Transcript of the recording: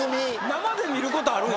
生で見ることあるんや。